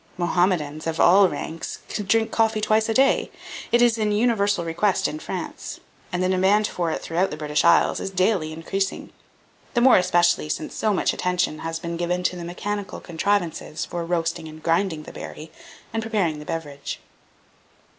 Mahommedans of all ranks drink coffee twice a day; it is in universal request in France; and the demand for it throughout the British isles is daily increasing, the more especially since so much attention has been given to mechanical contrivances for roasting and grinding the berry and preparing the beverage.